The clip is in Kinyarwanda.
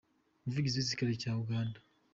umuvugizi w’igisirikare cya Uganda.